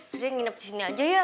sudah nginep di sini aja ya